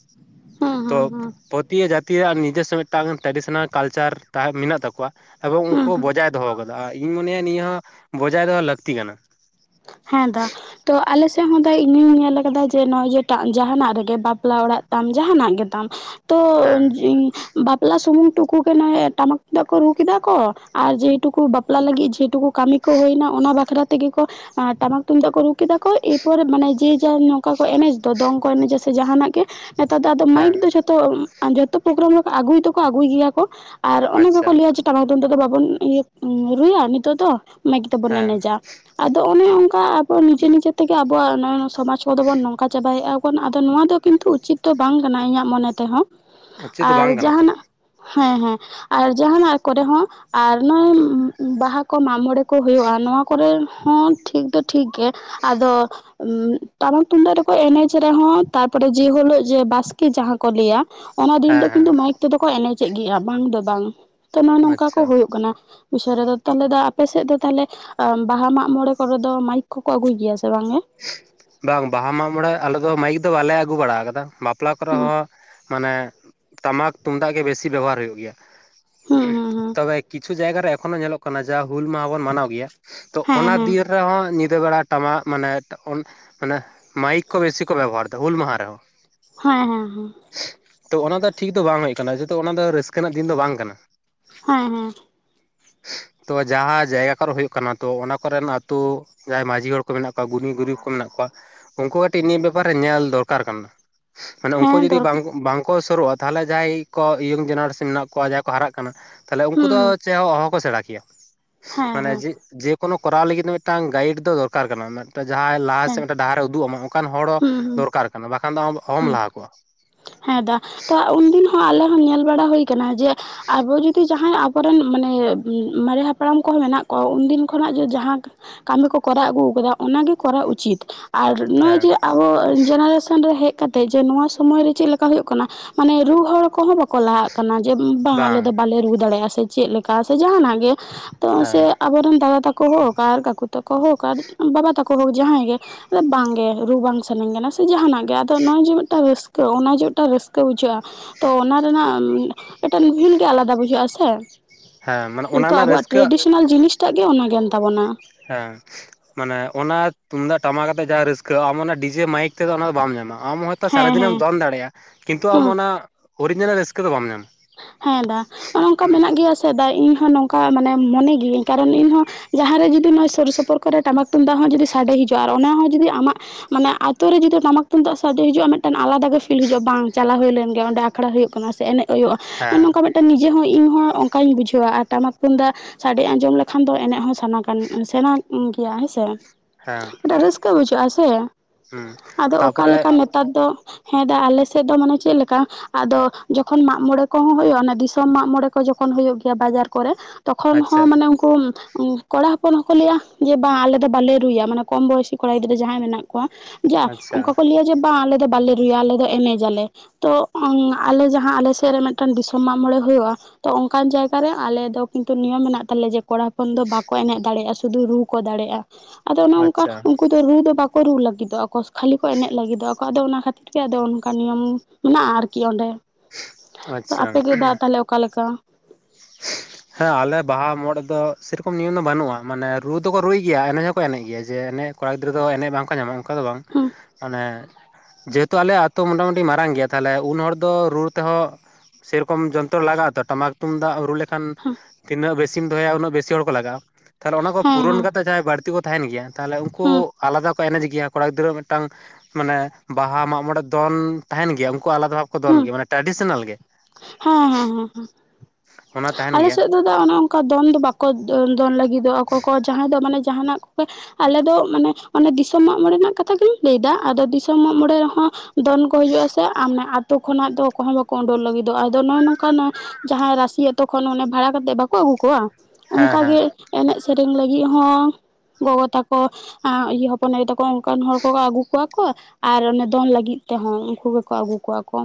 ᱦᱩᱸ ᱛᱚ ᱦᱩᱸ ᱦᱩᱸ [unintelligible] ᱡᱟᱛᱤᱭᱟᱜ ᱱᱤᱡᱮᱨᱥᱚ ᱢᱤᱫᱴᱟᱝ ᱴᱨᱟᱰᱤᱥᱚᱱᱟᱞ ᱠᱟᱞᱪᱟᱨ ᱛᱟᱦᱮᱸ ᱢᱮᱱᱟᱜ ᱛᱟᱠᱚᱣᱟ ᱮᱵᱚᱝ ᱩᱱᱠᱩ ᱦᱩᱸ ᱦᱩᱸ ᱵᱚᱡᱟᱭ ᱫᱚᱦᱚᱣᱟ ᱠᱟᱫᱟ ᱟᱨ ᱤᱧ ᱢᱚᱱᱮᱭᱟ ᱱᱤᱭᱟᱹ ᱦᱚᱸ ᱵᱚᱡᱟᱭ ᱫᱚᱦᱚ ᱞᱟᱹᱠᱛᱤ ᱠᱟᱱᱟ ᱦᱮᱸ ᱫᱟ ᱛᱚ ᱟᱞᱮᱥᱮᱫ ᱦᱚᱸ ᱤᱧᱤᱧ ᱧᱮᱞ ᱟᱠᱟᱫᱟ ᱡᱮ ᱱᱚᱜᱼᱚᱭ ᱡᱮ ᱴᱟᱜ ᱡᱟᱦᱟᱱᱟᱜ ᱨᱮᱜᱮ ᱵᱟᱯᱞᱟ ᱚᱲᱟᱜ ᱛᱟᱢ ᱡᱟᱦᱟᱱᱟᱜ ᱜᱮᱛᱟᱢ ᱛᱚ ᱦᱮᱸ ᱵᱟᱯᱞᱟ ᱥᱩᱢᱩᱝ ᱴᱩᱠᱩ ᱴᱟᱢᱟᱠ ᱛᱩᱢᱫᱟᱜ ᱠᱚ ᱨᱩ ᱠᱮᱫᱟ ᱠᱚ ᱟᱨ ᱡᱮ ᱴᱩᱠᱩ ᱵᱟᱯᱞᱟ ᱞᱟᱹᱜᱤᱫ ᱡᱮ ᱴᱩᱠᱩ ᱠᱟᱹᱢᱤ ᱠᱚ ᱦᱩᱭᱱᱟ ᱚᱱᱟ ᱵᱟᱠᱷᱨᱟ ᱛᱮᱜᱮ ᱠᱚ ᱴᱟᱢᱟᱠ ᱛᱩᱢᱫᱟᱜ ᱠᱚ ᱨᱩ ᱠᱮᱫᱟ ᱠᱚ ᱮᱨᱯᱚᱨᱮ ᱢᱟᱱᱮ ᱡᱮ ᱡᱟ ᱚᱠᱟ ᱠᱚ ᱮᱱᱮᱡ ᱫᱚ ᱫᱚᱝ ᱠᱚ ᱮᱱᱮᱡᱟ ᱥᱮ ᱡᱟᱦᱟᱱᱟᱜ ᱜᱮ ᱱᱮᱛᱟᱨ ᱫᱚ ᱟᱫᱚ ᱦᱮᱸ ᱢᱟᱭᱤᱠ ᱫᱚ ᱡᱷᱚᱛᱚ ᱡᱚᱛᱚ ᱯᱚᱨᱳᱜᱨᱟᱢ ᱟᱹᱜᱩᱭ ᱛᱠᱚ ᱟᱹᱜᱩᱭ ᱜᱮᱭᱟ ᱠᱚ ᱟᱨ ᱚᱱᱟ ᱟᱪᱪᱷᱟ ᱜᱮᱠᱚ ᱞᱟᱹᱭᱟ ᱴᱟᱢᱟᱠ ᱛᱩᱢ ᱫᱟᱜ ᱫᱚ ᱵᱟᱵᱚᱱ ᱤᱭᱟᱹ ᱨᱩᱭᱟ ᱱᱤᱛᱚᱜ ᱫᱚ ᱢᱟᱭᱤᱠ ᱛᱮᱵᱚᱱ ᱦᱮᱸ ᱮᱱᱮᱡᱟ ᱛᱚ ᱚᱱᱮ ᱚᱱᱠᱟ ᱟᱵᱚ ᱱᱤᱡᱮ ᱱᱤᱡᱮ ᱛᱮᱜᱮ ᱟᱵᱚᱣᱟᱜ ᱱᱚᱜᱚᱭ ᱥᱚᱢᱟᱡ ᱠᱚᱫᱚ ᱵᱚᱱ ᱱᱚᱝᱠᱟ ᱪᱟᱵᱟᱭᱮᱜᱼᱟ ᱠᱷᱚᱱ ᱟᱫᱚ ᱱᱚᱣᱟ ᱫᱚ ᱠᱤᱱᱛᱩ ᱩᱪᱤᱛ ᱫᱚ ᱵᱟᱝ ᱠᱟᱱᱟ ᱤᱧᱟᱜ ᱢᱚᱱᱮ ᱛᱮᱦᱚᱸ ᱪᱮᱫ ᱫᱚ ᱟᱨ ᱵᱟᱝ ᱠᱟᱱᱟ ᱛᱚ ᱡᱟᱦᱟᱱᱟᱜ ᱦᱮᱸ ᱦᱮᱸ ᱟᱨ ᱡᱟᱦᱟᱱᱟᱜ ᱠᱚᱨᱮ ᱦᱚᱸ ᱟᱨ ᱱᱚᱜᱼᱚᱭ ᱵᱟᱦᱟ ᱠᱚ ᱢᱟᱜ ᱢᱚᱬᱮ ᱠᱚ ᱠᱚ ᱦᱩᱭᱩᱜᱼᱟ ᱱᱚᱣᱟ ᱠᱚᱨᱮ ᱦᱚᱸ ᱴᱷᱤᱠ ᱫᱚ ᱴᱷᱤᱠ ᱜᱮ ᱟᱫᱚ ᱴᱟᱢᱟᱠ ᱛᱩᱢᱫᱟᱜ ᱨᱮᱠᱚ ᱮᱱᱮᱡ ᱨᱮᱦᱚᱸ ᱛᱟᱨᱯᱚᱨᱮ ᱡᱮᱦᱤᱞᱳᱜ ᱡᱮ ᱵᱟᱥᱠᱮ ᱡᱟᱸᱦᱟ ᱠᱚ ᱞᱟᱹᱭᱟ ᱚᱱᱟ ᱫᱤᱱ ᱦᱮᱸ ᱫᱚ ᱦᱮᱸ ᱠᱤᱱᱛᱩ ᱢᱟᱭᱤᱠ ᱛᱮᱫᱚ ᱠᱚ ᱮᱱᱮᱡᱮᱫ ᱜᱮᱭᱟ ᱵᱟᱝ ᱫᱚ ᱵᱟᱝ ᱛᱚ ᱱᱚᱜ-ᱚᱭ ᱱᱚᱝᱠᱟ ᱠᱚ ᱟᱪᱪᱷᱟ ᱦᱩᱭᱩᱜ ᱠᱟᱱᱟ ᱵᱤᱥᱚᱭ ᱨᱮᱫᱚ ᱛᱟᱦᱚᱞᱮ ᱫᱚ ᱟᱯᱮᱥᱮᱫ ᱫᱚ ᱛᱟᱦᱮᱞᱮ ᱵᱟᱦᱟ ᱢᱟᱜ ᱢᱚᱬᱮ ᱠᱚᱨᱮ ᱫᱚ ᱢᱟᱭᱤᱠ ᱠᱚᱠᱚ ᱟᱹᱜᱩᱭ ᱜᱮᱭᱟ ᱥᱮ ᱵᱟᱝ ᱜᱮ ᱵᱟᱝ ᱵᱟᱦᱟ ᱢᱟᱜ ᱢᱚᱬᱮ ᱟᱞᱮ ᱫᱚ ᱢᱟᱹᱭᱤᱠ ᱫᱚ ᱵᱟᱞᱮ ᱟᱹᱜᱩ ᱵᱟᱲᱟ ᱟᱠᱟᱫᱟ ᱵᱟᱯᱞᱟ ᱠᱚᱨᱮ ᱦᱩᱸ ᱦᱚᱸ ᱢᱟᱱᱮ ᱴᱟᱢᱟᱠ ᱛᱩᱢᱫᱟᱜ ᱜᱮ ᱵᱮᱥᱤ ᱵᱮᱵᱚᱦᱟᱨ ᱦᱩᱭᱩᱜ ᱜᱮᱭᱟ ᱦᱩᱸ ᱦᱩᱸ ᱦᱩᱸ ᱛᱚᱵᱮ ᱠᱤᱪᱷᱩ ᱡᱟᱭᱜᱟ ᱨᱮ ᱮᱠᱷᱚᱱᱳ ᱧᱮᱞᱚᱜ ᱠᱟᱱᱟ ᱡᱮ ᱦᱩᱞ ᱢᱟᱦᱟ ᱵᱚᱱ ᱢᱟᱱᱟᱣ ᱛᱚ ᱦᱮᱸ ᱚᱱᱟ ᱦᱮᱸ ᱫᱤᱱ ᱨᱮᱦᱚᱸ ᱧᱤᱫᱟᱹ ᱵᱮᱲᱟ ᱴᱟᱢᱟᱠ ᱢᱟᱱᱮ ᱢᱟᱱᱮ ᱢᱟᱭᱤᱠ ᱠᱚ ᱵᱮᱥᱤ ᱠᱚ ᱵᱮᱵᱚᱦᱟᱨ ᱮᱫᱟ ᱦᱩᱞ ᱢᱟᱦᱟ ᱨᱮᱦᱚᱸ ᱦᱮᱸ ᱦᱮᱸ ᱦᱮᱸ ᱛᱚ ᱚᱱᱟ ᱫᱚ ᱴᱷᱤᱠ ᱫᱚ ᱵᱟᱝ ᱦᱩᱭᱩᱜ ᱠᱟᱱᱟ ᱡᱚᱛᱚ ᱚᱱᱟ ᱫᱚ ᱨᱟᱹᱥᱠᱟᱹ ᱨᱮᱱᱟᱜ ᱫᱤᱱ ᱫᱚ ᱵᱟᱝ ᱠᱟᱱᱟ ᱦᱮᱸ ᱦᱮᱸ ᱛᱚ ᱡᱟᱦᱟᱸ ᱡᱟᱭᱜᱟ ᱠᱚᱨᱮ ᱦᱩᱭᱩᱜ ᱠᱟᱱᱟ ᱛᱚ ᱚᱱᱟ ᱠᱚᱨᱮᱱ ᱟᱹᱛᱩ ᱡᱟᱦᱟᱸᱭ ᱢᱟᱺᱡᱷᱤ ᱦᱚᱲ ᱠᱚ ᱢᱮᱱᱟᱜ ᱠᱚᱣᱟ ᱜᱩᱱᱤ ᱜᱩᱨᱤᱵ ᱠᱚ ᱢᱮᱱᱟᱜ ᱠᱚᱣᱟ ᱩᱱᱠᱩ ᱠᱟᱹᱴᱤᱡ ᱱᱤᱭᱟᱹ ᱵᱮᱯᱟᱨ ᱨᱮ ᱧᱮᱞ ᱫᱚᱨᱠᱟᱨ ᱠᱟᱱᱟ ᱢᱟᱱᱮ ᱩᱱᱠᱩ ᱦᱮᱸ ᱡᱩᱫᱤ ᱫᱚᱨ ᱵᱟᱝ ᱵᱟᱝ ᱠᱚ ᱥᱩᱨᱩᱜᱼᱟ ᱛᱟᱦᱚᱞᱮ ᱡᱟᱦᱟᱸᱭ ᱠᱚ ᱤᱭᱚᱝ ᱡᱮᱱᱟᱨᱮᱥᱚᱱ ᱢᱮᱱᱟᱜ ᱠᱚᱣᱟ ᱡᱟᱦᱟᱸᱭ ᱠᱚ ᱦᱟᱨᱟᱜ ᱠᱟᱱᱟ ᱛᱟᱦᱞᱮ ᱩᱱᱠᱩ ᱫᱚ ᱦᱩᱸ ᱪᱮᱫᱦᱚ ᱚᱦᱚ ᱠᱚ ᱥᱮᱬᱟ ᱠᱮᱭᱟ ᱦᱮᱸ ᱢᱟᱱᱮ ᱦᱮᱸ ᱠᱳᱚᱱᱳ ᱠᱚᱨᱟᱣ ᱞᱟᱹᱜᱤᱫ ᱢᱤᱫᱴᱟᱝ ᱜᱟᱭᱤᱰ ᱫᱚ ᱫᱚᱨᱠᱟᱨ ᱠᱟᱱᱟ ᱡᱟᱦᱟᱸᱭ ᱞᱟᱦᱟ ᱥᱮ ᱦᱮᱸ ᱨᱮ ᱰᱟᱦᱟᱨᱮ ᱩᱫᱩᱜ ᱟᱢᱟ ᱚᱱᱠᱟᱱ ᱦᱚᱲ ᱦᱩᱸ ᱦᱩᱸ ᱫᱚᱨᱠᱟᱨ ᱠᱟᱱᱟ ᱵᱟᱠᱷᱟᱱ ᱫᱚ ᱟᱢ ᱚᱦᱚᱢ ᱦᱩᱸ ᱞᱟᱦᱟ ᱠᱚᱜᱼᱟ ᱦᱮᱸ ᱫᱟ ᱛᱚ ᱩᱱᱫᱤᱱ ᱦᱚᱸ ᱟᱞᱮ ᱦᱚᱸ ᱧᱮᱞ ᱵᱟᱲᱟ ᱦᱩᱭ ᱟᱠᱟᱱᱟ ᱡᱮ ᱟᱵᱚ ᱡᱩᱫᱤ ᱡᱟᱦᱟᱸᱭ ᱟᱵᱚᱨᱮᱱ ᱢᱟᱱᱮ ᱢᱟᱨᱮ ᱦᱟᱯᱲᱟᱢ ᱠᱚᱦᱚᱸ ᱢᱮᱱᱟᱜ ᱠᱚᱣᱟ ᱩᱱᱫᱤᱱ ᱠᱷᱚᱱᱟᱜ ᱡᱮ ᱡᱟᱦᱟᱸ ᱠᱟᱹᱢᱤ ᱠᱚ ᱠᱚᱨᱟᱣ ᱟᱹᱜᱩ ᱟᱠᱟᱫᱟ᱾ ᱚᱱᱟᱜᱮ ᱠᱚᱨᱟᱣ ᱩᱪᱤᱛ ᱟᱨ ᱱᱚᱜ ᱚᱚᱭ ᱦᱮᱸ ᱡᱮ ᱟᱵᱚ ᱡᱮᱱᱟᱨᱮᱥᱚᱱ ᱨᱮ ᱦᱮᱡ ᱠᱟᱛᱮ ᱡᱮ ᱱᱚᱣᱟ ᱥᱚᱢᱚᱭ ᱨᱮ ᱪᱮᱫ ᱞᱮᱠᱟ ᱦᱩᱭᱩᱜ ᱠᱟᱱᱟ ᱢᱟᱱᱮ ᱨᱩ ᱦᱚᱲ ᱠᱚᱦᱚᱸ ᱵᱟᱠᱚ ᱞᱟᱦᱟᱜ ᱠᱟᱱᱟ ᱠᱟᱱᱟ ᱡᱮ ᱵᱟᱝ ᱟᱞᱮ ᱫᱚ ᱵᱟᱞᱮ ᱨᱩ ᱫᱟᱲᱮᱭᱟᱜ-ᱟ ᱥᱮ ᱪᱮᱫ ᱞᱮᱠᱟ ᱥᱮ ᱡᱟᱦᱟᱱᱟᱜ ᱜᱮ᱾ ᱛᱚ ᱥᱮ ᱦᱮᱸ ᱟᱵᱚᱨᱮᱱ ᱫᱟᱫᱟ ᱛᱟᱠᱚ ᱦᱳ ᱟᱨ ᱠᱟᱠᱩ ᱛᱟᱠᱚ ᱦᱳ ᱟᱨ ᱵᱟᱵᱟ ᱛᱟᱠᱚ ᱦᱳ ᱡᱟᱦᱟᱸᱭ ᱜᱮ ᱟᱫᱚ ᱵᱟᱝᱜᱮ ᱨᱩ ᱵᱟᱝ ᱥᱟᱹᱱᱟᱧ ᱠᱟᱱᱟ ᱥᱮ ᱡᱟᱦᱟᱱᱟᱜ ᱜᱮ ᱟᱫᱚ ᱱᱚᱜᱼᱚᱭ ᱡᱮ ᱢᱤᱫᱴᱟᱝ ᱨᱟᱹᱥᱠᱟᱹ ᱚᱱᱟ ᱡᱮ ᱢᱤᱫᱴᱟᱝ ᱨᱟᱹᱥᱠᱟᱹ ᱵᱩᱡᱷᱟᱹᱜ-ᱟ ᱛᱚ ᱚᱱᱟ ᱨᱮᱱᱟᱜ ᱢᱤᱫᱴᱮᱱ ᱵᱷᱤᱞ ᱜᱮ ᱟᱞᱟᱫᱟ ᱵᱩᱡᱷᱟᱹᱜᱼᱟ ᱥᱮ ᱦᱮᱸ ᱢᱟᱱᱮ ᱚᱱᱟ ᱱᱤᱛᱳᱜ ᱨᱮᱱᱟᱜ ᱟᱵᱚᱣᱟᱜ ᱨᱟᱹᱥᱠᱟᱹ ᱴᱮᱨᱮᱰᱤᱥᱱᱟᱞ ᱡᱤᱱᱤᱥᱴᱟᱜ ᱜᱮ ᱚᱱᱟᱜᱮ ᱮᱱ ᱛᱟᱵᱚᱱᱟ ᱦᱮᱸ ᱢᱟᱱᱮ ᱚᱱᱟ ᱛᱩᱢᱫᱟᱜ ᱴᱟᱢᱟᱠᱛᱮᱜ ᱡᱟᱦᱟᱸ ᱨᱟᱹᱥᱠᱟᱹᱜ ᱟᱢᱟᱜ ᱚᱱᱟ ᱰᱤᱡᱮ ᱢᱟᱭᱤᱠ ᱛᱮᱫᱚ ᱚᱱᱟ ᱫᱚ ᱵᱟᱢ ᱧᱟᱢᱟ-ᱟ ᱟᱢ ᱦᱚᱭᱛᱚ ᱦᱮᱸ ᱥᱟᱨᱟ ᱦᱮᱸ ᱫᱤᱱᱮᱢ ᱫᱚᱱ ᱫᱟᱲᱮᱭᱟᱜᱼᱟ ᱠᱤᱱᱛᱩ ᱟᱢ ᱦᱩᱸ ᱚᱱᱟ ᱚᱨᱤᱡᱤᱱᱟᱞ ᱨᱟᱹᱥᱠᱟᱹ ᱫᱚ ᱵᱟᱢ ᱧᱟᱢᱟ ᱦᱮᱸ ᱫᱟ ᱚᱱᱮ ᱚᱝᱠᱟ ᱢᱮᱱᱟᱜ ᱜᱮᱭᱟ ᱥᱮ ᱤᱧ ᱦᱚᱸ ᱱᱚᱝᱠᱟ ᱢᱟᱱᱮ ᱢᱚᱱᱮ ᱜᱤᱭᱟᱹᱧ ᱠᱟᱨᱚᱱ ᱤᱧ ᱦᱚᱸ ᱡᱟᱦᱟᱸ ᱨᱮ ᱡᱩᱫᱤ ᱡᱩ ᱱᱚᱣᱟ ᱥᱩᱨᱥᱩᱯᱩᱨ ᱠᱚᱨᱮ ᱴᱟᱢᱟᱠ ᱴᱩᱢᱫᱟᱜ ᱦᱚᱸ ᱡᱩᱫᱤ ᱥᱟᱰᱮ ᱦᱤᱡᱩᱜ-ᱟ ᱟᱨ ᱚᱱᱟ ᱦᱚᱸ ᱡᱩᱫᱤ ᱟᱢᱟᱜ ᱢᱟᱱᱮ ᱟᱹᱛᱩ ᱨᱮ ᱡᱩᱫᱤ ᱴᱟᱢᱟᱠ ᱛᱩᱫᱟᱜ ᱥᱟᱰᱮ ᱦᱤᱡᱩᱜ-ᱟ, ᱢᱤᱫᱴᱟᱝ ᱟᱞᱟᱫᱟ ᱜᱮ ᱯᱷᱤᱞ ᱦᱤᱡᱩᱜ-ᱟ, ᱵᱟᱝ ᱪᱟᱞᱟᱣ ᱦᱩᱭ ᱞᱮᱱ ᱜᱮᱭᱟ ᱚᱸᱰᱮ ᱟᱠᱷᱲᱟ ᱦᱩᱭᱩᱜ ᱠᱟᱱᱟ ᱥᱮ ᱮᱱᱮᱡ ᱦᱩᱭᱩᱜ-ᱟ ᱦᱮᱸ ᱱᱚᱝᱠᱟ ᱢᱤᱫᱴᱟᱝ ᱱᱤᱡᱮ ᱦᱚᱸ ᱤᱧ ᱦᱚᱸᱚᱸ ᱚᱱᱠᱟᱧ ᱵᱩᱡᱷᱟᱹᱣᱟ ᱟᱨ ᱴᱟᱢᱟᱠ ᱛᱩᱱᱫᱟ. ᱥᱟᱰᱮ ᱟᱸᱡᱚᱢ ᱞᱮᱠᱷᱟᱱ ᱫᱚ ᱮᱱᱮᱡ ᱦᱚᱸ ᱥ ᱥᱮᱬ [unintelligible] ᱜᱮᱭᱟ ᱦᱮᱸᱥᱮ ᱦᱮᱸ ᱢᱤᱫᱴ ᱨᱟᱹᱥᱠᱟᱹ ᱵᱩᱡᱷᱟᱹᱜ ᱟ ᱥᱮ ᱦᱩᱸ ᱟᱫᱚ ᱛᱟᱯᱚᱨᱮ ᱚᱠᱟᱞᱮᱠᱟ ᱱᱮᱛᱚᱼᱜ ᱱᱮᱛᱟᱨ ᱫᱚ ᱦᱮᱸ ᱫᱟ ᱟᱞᱮ ᱥᱮᱫ ᱫᱚ ᱢᱟᱱᱮ ᱪᱮᱫ ᱞᱮᱠᱟ ᱟᱫᱚ ᱛᱚᱠᱷᱚᱱ ᱢᱟᱜ ᱢᱚᱬᱮ ᱠᱚᱦᱚᱸ ᱦᱩᱭᱩᱜᱼᱟ ᱫᱤᱥᱚᱢ ᱢᱟᱜ ᱢᱚᱬᱮ ᱠᱚ ᱡᱚᱠᱷᱚᱱ ᱦᱩᱭᱩᱜ ᱜᱮᱭᱟ ᱵᱟᱡᱟᱨ ᱠᱚᱨᱮ ᱛᱚᱠᱷᱚᱱ ᱟᱪᱪᱷᱟ ᱦᱚᱸ ᱢᱟᱱᱮ ᱩᱱᱠᱩ ᱠᱚᱲᱟ ᱦᱚᱯᱚᱱ ᱦᱚᱸᱠᱚ ᱞᱟᱹᱭᱟ ᱡᱮ ᱵᱟᱝ ᱟᱞᱮ ᱫᱚ ᱵᱟᱞᱮ ᱨᱩᱭᱟ ᱢᱟᱱᱮ ᱠᱚᱢ ᱵᱚᱭᱚᱥᱤ ᱠᱚᱲᱟ ᱜᱤᱫᱽᱨᱟᱹ ᱡᱟᱦᱟᱸᱭ ᱢᱮᱱᱟᱜ ᱠᱚᱣᱟ ᱡᱟ ᱟᱪᱪᱷᱟ ᱚᱱᱠᱟ ᱠᱚ ᱞᱟᱹᱭᱟ ᱡᱮ ᱵᱟᱝ ᱟᱞᱮ ᱫᱚ ᱵᱟᱞᱮ ᱨᱩᱭᱟ ᱟᱞᱮ ᱫᱚ ᱮᱢᱮᱡᱟᱞᱮ ᱛᱚ ᱟᱞᱮ ᱡᱟ ᱡᱟᱦᱟᱸ ᱟᱞᱮ ᱥᱮᱫ ᱨᱮ ᱢᱤᱫᱴᱟᱝ ᱫᱤᱥᱚᱢ ᱢᱟᱜ ᱢᱚᱬᱮ ᱦᱩᱭᱩᱜᱼᱟ ᱛᱚ ᱚᱱᱠᱟᱱ ᱡᱟᱭᱜᱟᱨᱮ ᱟᱞᱮ ᱫᱚ ᱠᱱᱤᱛᱩ ᱱᱤᱭᱚᱢ ᱢᱮᱱᱟᱜ ᱛᱟᱞᱮᱭᱟ ᱡᱮ ᱠᱚᱲᱟ ᱦᱚᱯᱚᱱ ᱫᱚ ᱵᱟᱠᱚ ᱮᱱᱮᱡ ᱫᱟᱲᱮᱭᱟᱜᱼᱟ ᱥᱩᱫᱷᱩ ᱨᱩ ᱠᱚ ᱫᱟᱲᱮᱭᱟᱜᱼᱟ ᱟᱫᱚ ᱚᱱᱮ ᱚᱱᱠᱟ ᱟᱪᱪᱷᱟ ᱩᱱᱠᱩ ᱫᱚ ᱨᱩ ᱫᱚ ᱵᱟᱠᱚ ᱨᱩ ᱞᱟᱹᱜᱤᱫᱚᱜᱼᱟ ᱠᱷᱟᱹᱞᱤ ᱠᱚ ᱮᱱᱮᱡ ᱞᱟᱹᱜᱤᱫᱚᱜᱼᱟ ᱟᱫᱚ ᱚᱱᱟ ᱠᱷᱟᱹᱛᱤᱨ ᱜᱮ ᱟᱫᱚ ᱚᱱᱠᱟ ᱱᱤᱭᱚᱢ ᱢᱮᱱᱟᱜᱼᱟ ᱟᱨᱠᱤ ᱚᱸᱰᱮ ᱟᱪᱪᱷᱟ ᱟᱯᱮᱜᱮ ᱫᱟ ᱛᱟᱦᱚᱞᱮ ᱚᱠᱟᱮ ᱞᱮᱠᱟ? ᱦᱮᱸ ᱟᱞᱮ ᱵᱟᱦᱟ ᱢᱳᱲᱮ ᱨᱮᱫᱚ ᱥᱮᱨᱚᱠᱚᱢ ᱱᱤᱭᱚᱢ ᱫᱚ ᱵᱟᱹᱱᱩᱜ-ᱟ ᱢᱟᱱᱮ ᱨᱩ ᱫᱚᱠᱚ ᱨᱩᱭ ᱜᱮᱭᱟ ᱮᱱᱮᱡ ᱦᱚᱸᱠᱚ ᱮᱱᱮᱡ ᱜᱮᱭᱟ ᱡᱮ ᱮᱱᱮᱡ ᱠᱚᱲᱟ ᱜᱤᱫᱽᱨᱟᱹ ᱫᱚ ᱮᱱᱮᱡ ᱵᱟᱝ ᱠᱚ ᱧᱟᱢᱚᱜ-ᱟ, ᱚᱱᱠᱟ ᱫᱚ ᱵᱟᱝ ᱦᱮᱸ ᱢᱟᱱᱮ ᱡᱮᱦᱮᱛᱩ ᱟᱞᱮᱭᱟᱜ ᱟᱹᱛᱩ ᱢᱳᱴᱟᱢᱩᱴᱤ ᱢᱟᱨᱟᱝ ᱜᱮᱭᱟ ᱛᱟᱦᱞᱮ ᱩᱱ ᱦᱚᱲ ᱫᱚ ᱨᱩ ᱛᱮᱦᱚᱸ ᱥᱮᱨᱚᱠᱚᱢ ᱡᱚᱱᱛᱨ ᱞᱟᱜᱟᱜ ᱟ ᱛᱚ ᱴᱟᱢᱟᱠ ᱛᱩᱢᱫᱟᱜ ᱠᱷᱟᱱ ᱛᱤᱱᱟᱹᱜ ᱵᱮᱥᱤᱢ ᱫᱚᱦᱚᱭᱟ ᱩᱱᱟᱹᱜ ᱵᱮᱥᱤ ᱦᱚᱲ ᱠᱚ ᱞᱟᱜᱟᱜᱼᱟ ᱛᱟᱦᱚᱞᱮ ᱚᱱᱟ ᱠᱚ ᱦᱮᱸ ᱯᱩᱨᱚᱱ ᱦᱮᱸ ᱠᱟᱛᱮ ᱡᱟᱦᱟᱸᱭ ᱵᱟᱹᱲᱛᱤ ᱠᱚ ᱛᱟᱦᱮᱱ ᱜᱮᱭᱟ ᱛᱟᱦᱚᱞᱮ ᱩᱱᱠᱩ ᱦᱮᱸ ᱟᱞᱟᱫᱟ ᱠᱚ ᱮᱱᱮᱡ ᱜᱮᱭᱟ ᱠᱚᱲᱟ ᱜᱤᱫᱽᱨᱟᱹᱣᱟᱜ ᱢᱤᱫᱴᱟᱝ ᱢᱟᱱᱮ ᱵᱟᱦᱟ ᱢᱟᱜ ᱢᱚᱬᱮ ᱫᱚᱱ ᱛᱟᱦᱮᱱ ᱜᱮᱭᱟ ᱠᱚ ᱟᱞᱟᱫᱟ ᱵᱷᱟ ᱠᱚ ᱫᱚᱱ ᱦᱮᱸ ᱜᱮᱭᱟ ᱢᱮ ᱴᱨᱟᱰᱤᱥᱚᱱᱟᱞ ᱜᱮ ᱦᱮᱸ ᱦᱮᱸ ᱦᱮᱸ ᱚᱱᱟ ᱛᱟᱦᱮᱱ ᱟᱞᱮ ᱜᱮᱭᱟ ᱥᱮᱫ ᱫᱚ ᱫᱟ ᱚᱱᱮ ᱚᱱᱠᱟ ᱫᱚᱱ ᱫᱚ ᱵᱟᱠᱚ ᱠᱚ ᱫᱚᱱ ᱞᱟᱹᱜᱤᱫᱚᱜ ᱟᱠᱚ ᱠᱚ ᱡᱟᱦᱟᱸᱭ ᱫᱚ ᱢᱟᱱᱮ ᱡᱟᱦᱟᱱᱟᱜ ᱟᱞᱮ ᱫᱚ ᱢᱟᱱᱮ ᱚᱱᱮ ᱫᱤᱥᱚᱢ ᱢᱟᱜ ᱢᱚᱬᱮ ᱨᱮᱱᱟᱜ ᱠᱟᱛᱷᱟ ᱜᱤᱧ ᱞᱟᱹᱭᱫᱟ ᱟᱫᱚ ᱫᱤᱥᱚᱢ ᱢᱟᱜ ᱢᱚᱬᱮ ᱨᱮᱦᱚᱸ ᱫᱚᱱ ᱠᱚ ᱦᱤᱡᱩᱜᱼᱟ ᱥᱮ ᱟᱨᱢᱮ ᱟᱛᱳ ᱠᱷᱚᱱᱟᱜ ᱫᱚ ᱚᱠᱚ ᱦᱚᱸ ᱵᱟᱠᱚ ᱩᱰᱳᱠ ᱞᱟᱹᱜᱤᱫ ᱟᱫᱚ ᱟᱫᱚ ᱱᱚᱜᱚᱭ ᱱᱚᱝᱠᱟᱱᱟᱜ ᱡᱟᱦᱟᱸᱭ ᱨᱟ. ᱥᱤ ᱟᱛᱳ ᱠᱷᱚᱱ ᱚᱱᱮ ᱵᱷᱟᱲᱟ ᱠᱟᱛᱮ ᱵᱟᱠᱚ ᱟᱹᱜᱩ ᱠᱚᱣᱟ ᱦᱮᱸ ᱚᱱᱠᱟ ᱦᱮᱸ ᱜᱮ ᱮᱱᱮᱡ ᱥᱮᱨᱮᱧ ᱞᱟᱹᱜᱤᱫ ᱦᱚᱸ ᱜᱚᱜᱚ ᱛᱟᱠᱚ ᱦᱚᱯᱚᱱ ᱟᱹᱭᱳ ᱛᱟᱠᱚ ᱚᱱᱠᱟᱱ ᱦᱚᱲ ᱠᱚᱠᱚ ᱟᱹᱜᱩ ᱠᱚᱣᱟ ᱠᱚ ᱟᱨ ᱚᱱᱮ ᱫᱚᱱ ᱞᱟᱹᱜᱤᱫ ᱛᱮᱦᱚᱸ ᱩᱱᱠᱩ ᱜᱮᱠᱚ ᱟᱹᱜᱩ ᱠᱚᱣᱟ ᱠᱚ